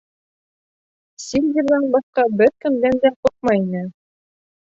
Сильверҙан башҡа бер кемдән дә ҡурҡмай ине.